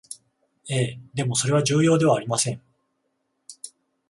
ええ、でもそれは重要ではありません